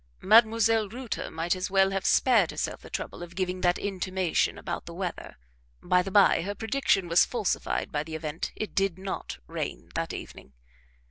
Mdlle. Reuter might as well have spared herself the trouble of giving that intimation about the weather (by the by her prediction was falsified by the event it did not rain that evening).